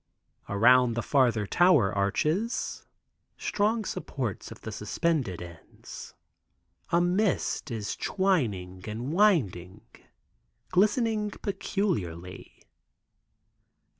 Around the farther tower arches—strong supports of the suspended ends—a mist is twining and winding, glistening peculiarly.